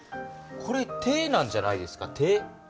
これ手なんじゃないですか？